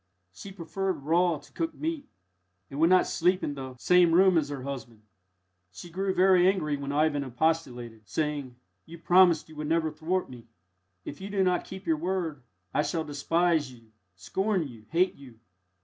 She preferred raw to cooked meat, and would not sleep in the same room as her husband. She grew very angry when Ivan expostulated, saying, "You promised you would never thwart me. If you do not keep your word, I shall despise you, scorn you, hate you."